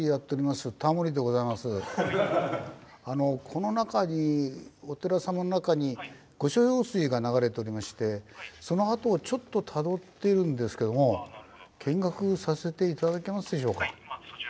この中にお寺様の中に御所用水が流れておりましてその跡をちょっとたどってるんですけども見学させて頂けますでしょうか？